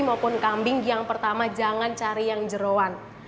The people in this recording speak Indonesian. maupun kambing yang pertama jangan cari yang jerawan